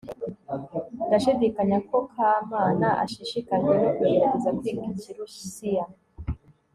ndashidikanya ko kamana ashishikajwe no kugerageza kwiga ikirusiya